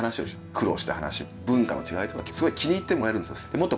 苦労した話文化の違いとかすごい気に入ってもらえるんですよ。